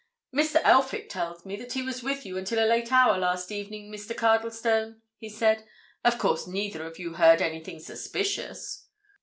"Mr. Elphick tells me that he was with you until a late hour last evening, Mr. Cardlestone," he said. "Of course, neither of you heard anything suspicious?"